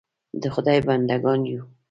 د خدای بنده ګان یو .